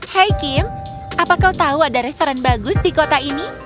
hai kim apa kau tahu ada restoran bagus di kota ini